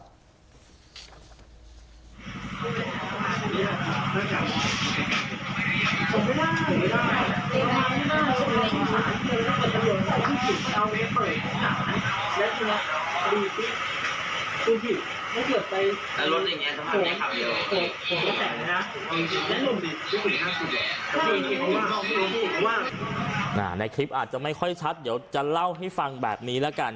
ต้องการให้ความเป็นทำว่าในคลิปอาจจะไม่ค่อยชัดเดี๋ยวจะเล่าให้ฟังแบบนี้แล้วกัน